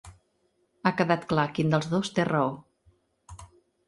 Ha quedat clar quin dels dos té raó.